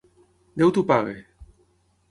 Déu t'ho pagui!